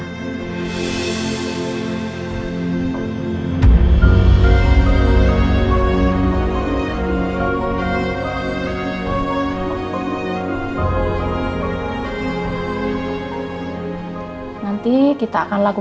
perkembangan jantung ja nkuk